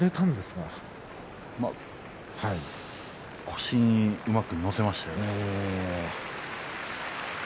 腰にうまく乗せましたね